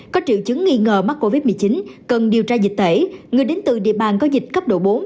có triệu chứng nghi ngờ mắc covid một mươi chín cần điều tra dịch tễ người đến từ địa bàn có dịch cấp độ bốn